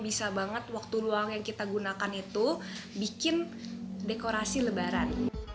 bisa banget waktu ruang yang kita gunakan itu bikin dekorasi lebaran